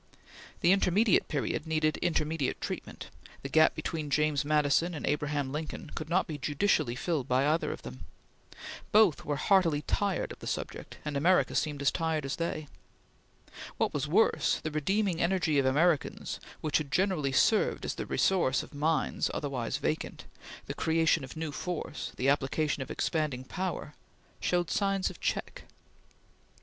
The intermediate period needed intermediate treatment; the gap between James Madison and Abraham Lincoln could not be judicially filled by either of them. Both were heartily tired of the subject, and America seemed as tired as they. What was worse, the redeeming energy of Americans which had generally served as the resource of minds otherwise vacant, the creation of new force, the application of expanding power, showed signs of check.